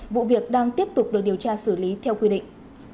vụ việc đang tiếp tục được điều tra xử lý theo quy định